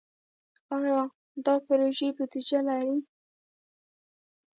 آیا دا پروژې بودیجه لري؟